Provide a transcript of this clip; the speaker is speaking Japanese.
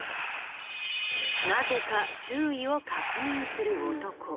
なぜか周囲を確認する男。